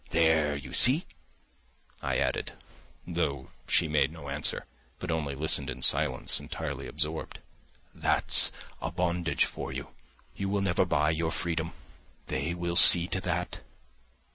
There, you see," I added, though she made no answer, but only listened in silence, entirely absorbed, "that's a bondage for you! You will never buy your freedom. They will see to that.